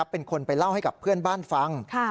เป็นคนไปเล่าให้กับเพื่อนบ้านฟัง